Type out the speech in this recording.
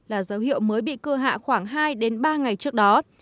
là dấu hiệu mới bị cưa hạ khoảng hai ba ngày trước đó